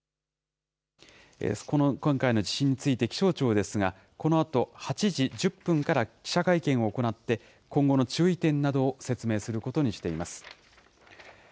今回の地震について、気象庁ですが、このあと８時１０分から記者会見を行って、今後の注意点などを説明することにしています。